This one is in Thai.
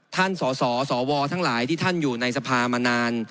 ท่านสอสอสอวอทั้งหลายที่ท่านอยู่ในสภามานาน